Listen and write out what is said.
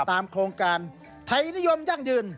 โครงการไทยนิยมยั่งยืน